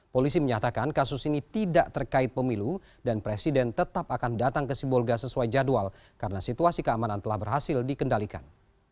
polisi menyatakan kasus ini tidak terkait pemilu dan presiden tetap akan datang ke sibolga sesuai jadwal karena situasi keamanan telah berhasil dikendalikan